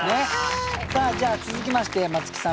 さあじゃあ続きましてまつきさん